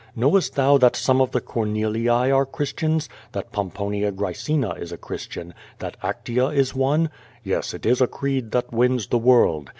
Knowest thou that some of the Cornelii are Christians, that Pomponia Grae cina is a Christian, that Actea is one? Yes, it is a creed that wins the world.